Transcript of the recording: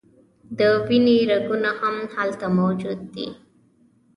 د وینې رګونه هم هلته موجود دي.